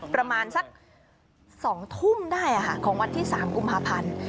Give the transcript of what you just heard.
ประมาณสัก๒ทุ่มได้ของวันที่๓กุมภาพันธ์